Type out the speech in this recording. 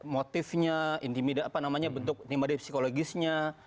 motifnya intimida apa namanya bentuk timbadi psikologisnya